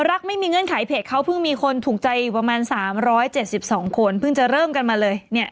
รักไม่มีเงื่อนไขเพจเขาเพิ่งมีคนถูกใจอยู่ประมาณ๓๗๒คนเพิ่งจะเริ่มกันมาเลยเนี่ย